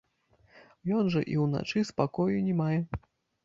Ён жа і ўначы спакою не мае.